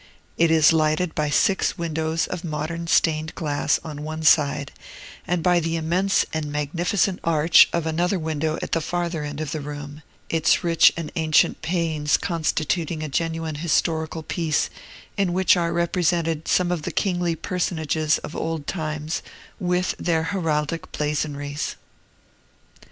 It is lighted by six windows of modern stained glass, on one side, and by the immense and magnificent arch of another window at the farther end of the room, its rich and ancient panes constituting a genuine historical piece, in which are represented some of the kingly personages of old times, with their heraldic blazonries.